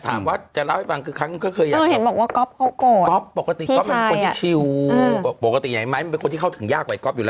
ที่โท๊คจะคือไปทำ